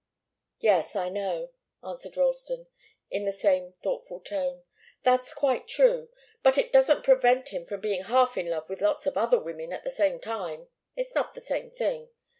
"Yes, I know," answered Ralston, in the same thoughtful tone. "That's quite true. But it doesn't prevent him from being half in love with lots of other women at the same time. It's not the same thing.